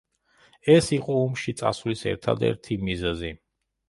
ეს იყო ომში წასვლის ერთადერთი მიზეზი.